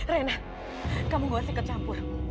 reina kamu buat sikap campur